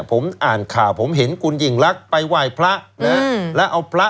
ผมอ่านข่าวผมเห็นคุณยิ่งรักไปไหว้พระนะแล้วเอาพระ